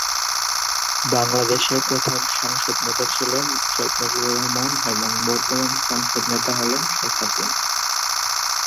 বাংলাদেশের প্রথম সংসদ নেতা ছিলেন শেখ মুজিবুর রহমান এবং বর্তমান সংসদ নেতা হলেন শেখ হাসিনা।